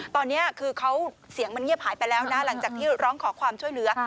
ตอนนี้คือเขาเสียงมันเงียบหายไปแล้วนะหลังจากที่ร้องขอความช่วยเหลือ